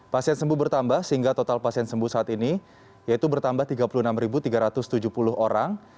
pasien sembuh bertambah sehingga total pasien sembuh saat ini yaitu bertambah tiga puluh enam tiga ratus tujuh puluh orang